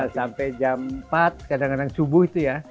sampai jam empat kadang kadang subuh itu ya